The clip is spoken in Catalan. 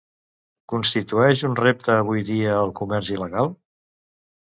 Constitueix un repte, avui dia, el comerç il·legal?